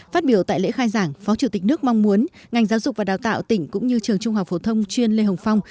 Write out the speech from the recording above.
phát biểu tại lễ khai giảng phó chủ tịch nước mong muốn ngành giáo dục và đào tạo tỉnh cũng như trường trung học phổ thông chuyên lê hồng phong